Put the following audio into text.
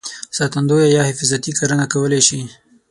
ساتندویه یا حفاظتي کرنه کولای شي.